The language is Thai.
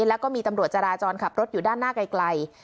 แล้วก็มีตำรวจจราจรขับรถอยู่ด้านหน้าไกล